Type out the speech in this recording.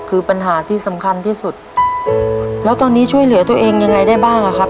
คือปัญหาที่สำคัญที่สุดแล้วตอนนี้ช่วยเหลือตัวเองยังไงได้บ้างอ่ะครับ